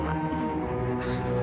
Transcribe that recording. udah tenang aja